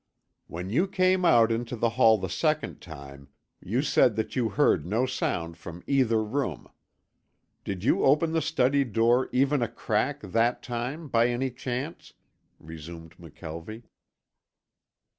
"When you came out into the hall the second time, you said that you heard no sound from either room. Did you open the study door even a crack that time by any chance?" resumed McKelvie.